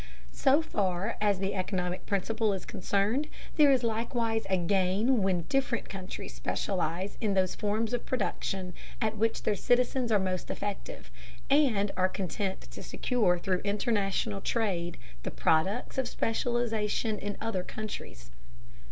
So far as the economic principle is concerned, there is likewise a gain when different countries specialize in those forms of production at which their citizens are most effective, and are content to secure through international trade the products of specialization in other countries.